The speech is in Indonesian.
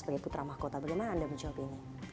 sebagai putra mahkota bagaimana anda menjawab ini